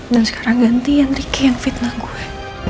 dan sekarang gantian ricky yang fitnah gue